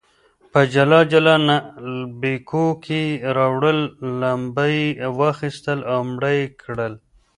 په جلا جلا نعلبکیو کې راوړل، لمبه یې واخیستل او مړه یې کړل.